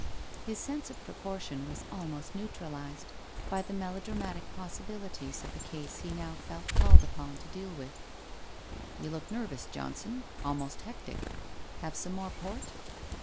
His sense of proportion was almost neutralized by the melodramatic possibilities of the case he now felt called upon to deal with. ' You look nervous, Johnson — almost hectic. Have some more port